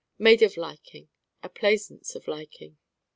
made of liking: a plaisance of liking.